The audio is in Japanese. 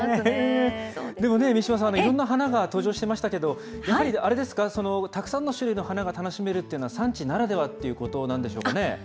でも三島さん、いろんな花が登場してましたけど、やっぱりあれですか、たくさんの種類の花が楽しめるというのは、産地ならではということなんでしょうかね。